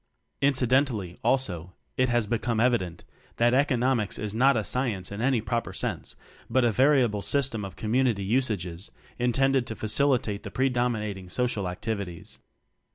Incidentally, also, it has be come evident that "economics" is not a "science" in any proper sense, but a variable system of community us ages intended to facilitate the pre dominating social activities.